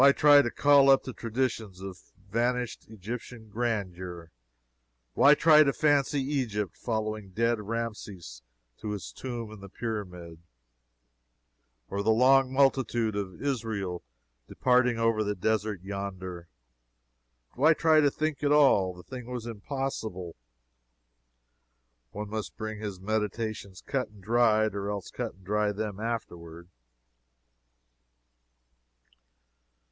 Why try to call up the traditions of vanished Egyptian grandeur; why try to fancy Egypt following dead Rameses to his tomb in the Pyramid, or the long multitude of Israel departing over the desert yonder? Why try to think at all? The thing was impossible. One must bring his meditations cut and dried, or else cut and dry them afterward.